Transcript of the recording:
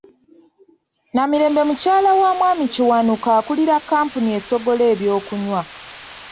Namirembe mukyala wa Mwami Kiwanuka akulira kampuni essogola ebyokunywa.